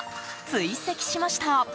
追跡しました。